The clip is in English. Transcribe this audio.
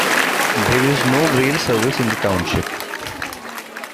There is no rail service in the township.